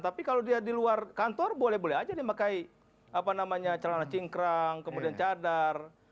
tapi kalau dia di luar kantor boleh boleh aja dia memakai celana cingkrang kemudian cadar